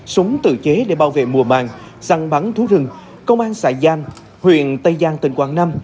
súng tự chế để bảo vệ mùa màng săn bắn thú rừng công an xã giang huyện tây giang tỉnh quảng nam